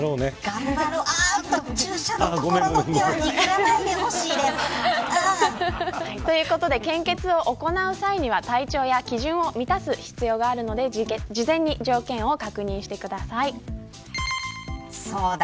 注射のところは握らないでほしい。ということで献血を行う際には体調や基準を満たす必要があるので事前に条件を確認してください。